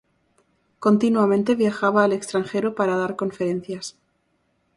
Continuamente viajaba al extranjero para dar conferencias.